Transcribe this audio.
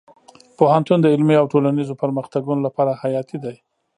پوهنتون د علمي او ټولنیزو پرمختګونو لپاره حیاتي دی.